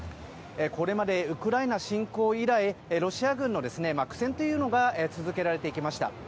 これまでウクライナ侵攻以来ロシア軍の苦戦というものが続けられてきました。